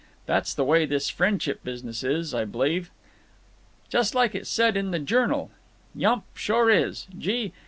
That's the way this friendship business is, I b'lieve. Just like it said in the Journal. Yump, sure is. Gee!